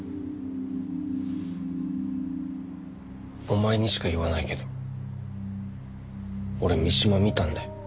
お前にしか言わないけど俺三島見たんだよ。